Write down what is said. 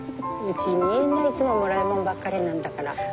うちみんないつももらいもんばっかりなんだから。